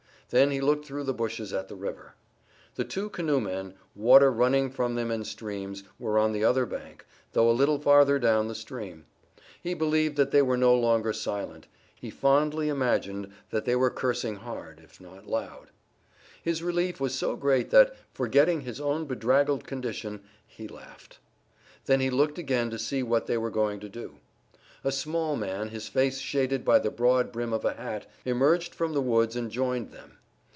Then he looked through the bushes at the river. The two canoemen, water running from them in streams, were on the other bank, though a little farther down the stream. He believed that they were no longer silent. He fondly imagined that they were cursing hard, if not loud. His relief was so great that, forgetting his own bedraggled condition, he laughed. Then he looked again to see what they were going to do. A small man, his face shaded by the broad brim of a hat, emerged from the woods and joined them.